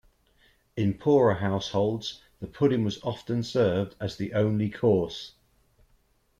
In poorer households, the pudding was often served as the only course.